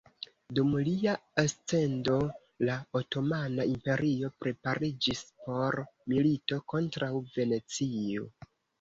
Dum lia ascendo, la Otomana Imperio prepariĝis por milito kontraŭ Venecio.